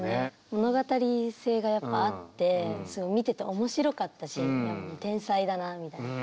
物語性がやっぱあってすごい見てて面白かったしいやもう天才だなみたいな。